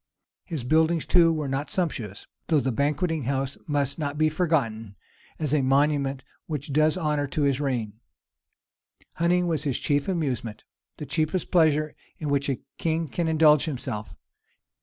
His buildings too were not sumptuous; though the Banqueting House must not be forgotten, as a monument which does honor to his reign. Hunting was his chief amusement, the cheapest pleasure in which a king can indulge himself.